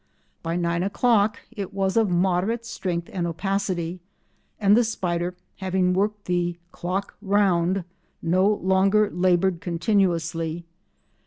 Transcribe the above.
By nine o'clock it was of moderate strength and opacity, and the spider, having worked "the clock round," no longer laboured continuously.